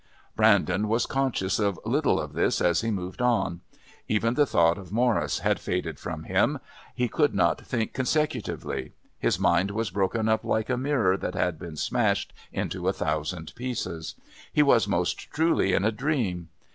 Brandon was conscious of little of this as he moved on. Even the thought of Morris had faded from him. He could not think consecutively. His mind was broken up like a mirror that had been smashed into a thousand pieces. He was most truly in a dream.